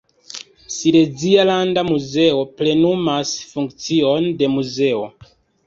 Silezia landa muzeo plenumas funkcion de muzeo.